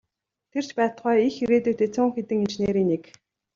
Тэр ч байтугай их ирээдүйтэй цөөн хэдэн инженерийн нэг.